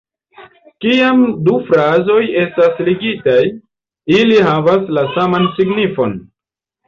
Kiam du frazoj estas ligitaj, ili havas la saman signifon.